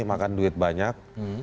makan duit banyak